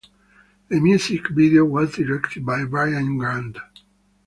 The music video was directed by Brian Grant.